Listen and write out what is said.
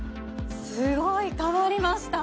すごい変わりました！